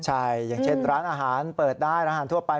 ใช่อย่างเช่นร้านอาหารเปิดได้ร้านอาหารทั่วไป